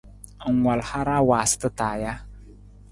Ng wal hara waasata taa ja?